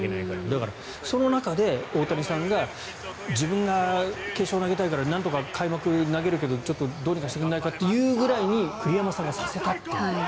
だから、その中で大谷さんが自分が決勝、投げたいからなんとか開幕投げるけどどうにかしてくれないかというぐらいに栗山さんがさせたっていう。